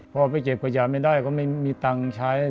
พอไปเก็บขยะไม่ได้ก็ไม่มีตังค์ใช้